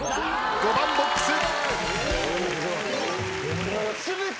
５番ボックス。